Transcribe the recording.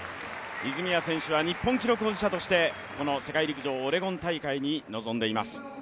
泉谷選手は日本記録保持者としてこの世界陸上オレゴン大会に臨んでいます。